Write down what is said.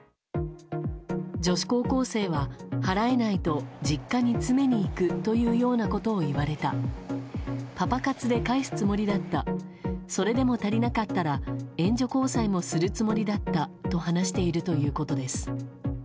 女子高校生は、払えないと実家に詰めに行くというようなことを言われたパパ活で返すつもりだったそれでも足りなかったら援助交際もするつもりだったと話しているということです。